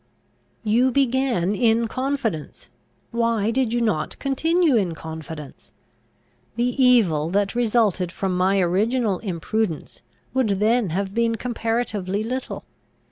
"You began in confidence; why did you not continue in confidence? The evil that resulted from my original imprudence would then have been comparatively little.